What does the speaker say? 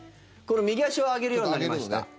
右足を上げるようになりました。